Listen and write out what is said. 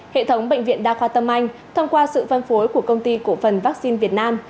hệ thống bệnh viện đa khoa tâm anh thông qua sự phân phối của công ty cổ phần vaccine việt nam